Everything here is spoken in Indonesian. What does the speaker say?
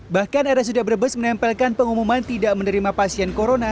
bahkan area sudaberebes menempelkan pengumuman tidak menerima pasien corona